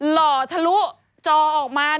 หล่อทะลุจอออกมา